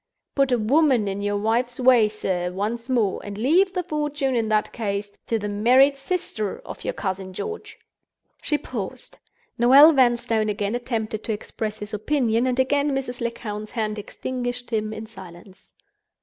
Put a woman in your wife's way, sir, once more—and leave the fortune, in that case, to the married sister of your cousin George." She paused. Noel Vanstone again attempted to express his opinion, and again Mrs. Lecount's hand extinguished him in silence.